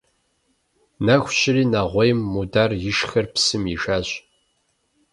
Нэху щыри нэгъуейм Мудар ишхэр псым ишащ.